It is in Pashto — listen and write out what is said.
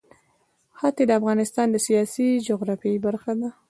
ښتې د افغانستان د سیاسي جغرافیه برخه ده.